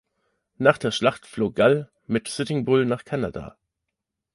Nach der Schlacht floh Gall mit Sitting Bull nach Kanada.